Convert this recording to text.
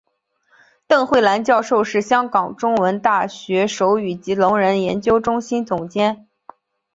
邓慧兰教授是香港中文大学手语及聋人研究中心总监。